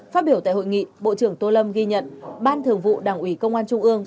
phát biểu tại hội nghị bộ trưởng tô lâm ghi nhận ban thường vụ đảng ủy công an trung ương